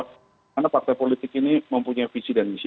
karena partai politik ini mempunyai visi dan misi